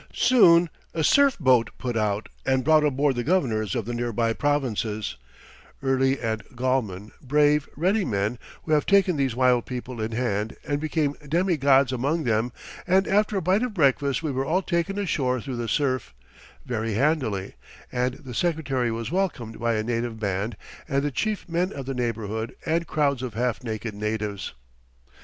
Soon a surf boat put out and brought aboard the governors of the nearby provinces Early and Gallman, brave, ready men, who have taken these wild people in hand and become demi gods among them and after a bite of breakfast we were all taken ashore through the surf, very handily, and the Secretary was welcomed by a native band and the chief men of the neighbourhood and crowds of half naked natives.